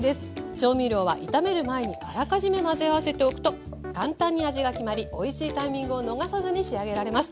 調味料は炒める前にあらかじめ混ぜ合わせておくと簡単に味が決まりおいしいタイミングを逃さずに仕上げられます。